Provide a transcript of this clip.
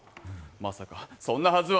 まさかそんなはずは。